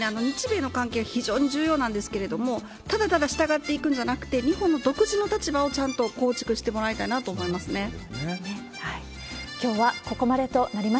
日米の関係、非常に重要なんですけれども、ただただ従っていくんじゃなくて、日本の独自の立場をちゃんと構築してもらいたいなと思いますね。